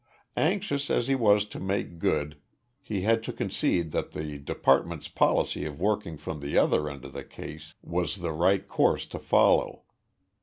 Anxious as he was to make good, he had to concede that the department's policy of working from the other end of the case was the right course to follow.